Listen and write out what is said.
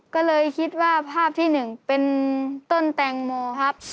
ก็เลยคิดว่าภาพที่หนึ่งเป็นต้นแตงโมครับ